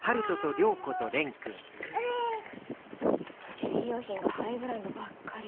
ベビー用品がハイブランドばっかり。